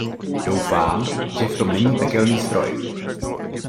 Doufám, že v tom není pekelný stroj.